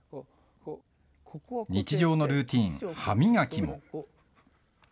日常のルーティン、歯磨きも。